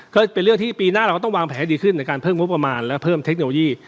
ก็เป็นเรื่องที่ปีหน้าเราต้องวางแผนดีขึ้นในการเพิ่มงบประมาณและเพิ่มเทคโนโลยี